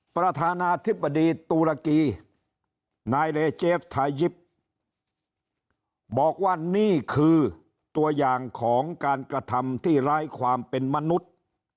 ประธานาธิบดีตุรกีนายเลเจฟทายิปบอกว่านี่คือตัวอย่างของการกระทำที่ร้ายความเป็นมนุษย์